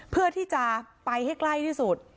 เพื่อที่จะไปให้ใกล้ที่สุด